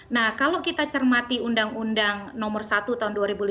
nah kalau kita cermati undang undang nomor satu tahun dua ribu lima belas